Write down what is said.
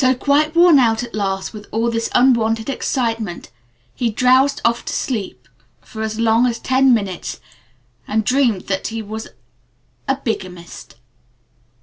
So, quite worn out at last with all this unwonted excitement, he drowsed off to sleep for as long as ten minutes and dreamed that he was a bigamist.